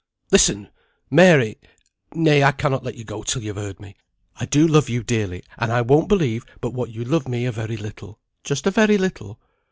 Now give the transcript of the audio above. "Listen! Mary. Nay, I cannot let you go till you have heard me. I do love you dearly; and I won't believe but what you love me a very little, just a very little.